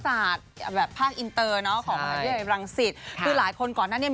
อ่าเดี๋ยวก่อนเดี๋ยว